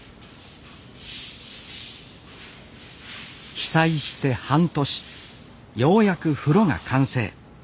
被災して半年ようやく風呂が完成。